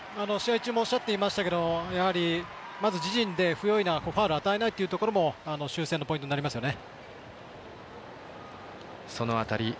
試合中もおっしゃっていましたけど自陣で不用意なファウルを与えないというところも修正のポイントになりますよね。